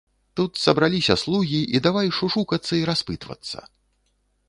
Тут сабраліся слугі і давай шушукацца і распытвацца.